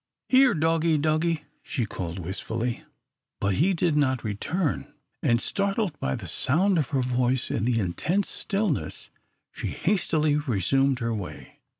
"Here, doggie, doggie!" she called, wistfully, but he did not return, and, startled by the sound of her voice in the intense stillness, she hastily resumed her way.